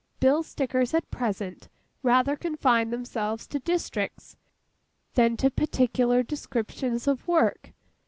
Bill Stickers at present rather confine themselves to districts, than to particular descriptions of work.